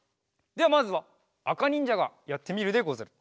ではまずはあかにんじゃがやってみるでござる。